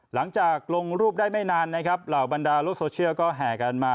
หลังจากลงรูปได้ไม่นานนะครับเหล่าบรรดาโลกโซเชียลก็แห่กันมา